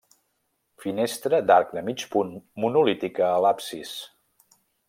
Finestra d'arc de mig punt monolítica a l'absis.